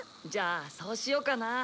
じゃあそうしようかな。